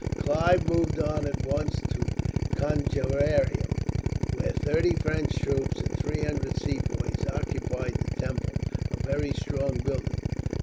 Clive moved on at once to Conjeveram, where thirty French troops and three hundred Sepoys occupied the temple, a very strong building.